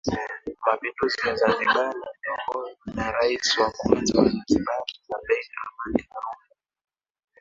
Mapinduzi ya Zanzibar yaliongozwa na rais wa kwanza wa Zanzibar abeid amani karume